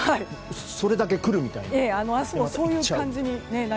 それだけくるみたいな。